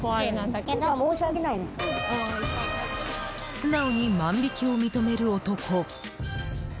素直に万引きを認める男。